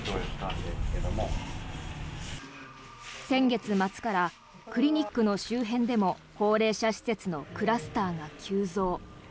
先月末からクリニックの周辺でも高齢者施設のクラスターが急増。